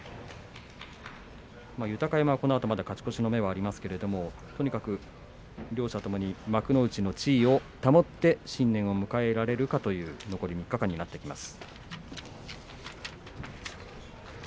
豊山、勝ち越しの目がありますがとにかく、両者ともに幕内の地位を保って新年を迎えられるかという残り３日間となりました。